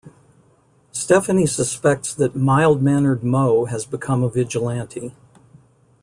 Stephanie suspects that mild-mannered Mo has become a vigilante.